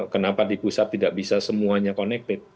kenapa di pusat tidak bisa semuanya connected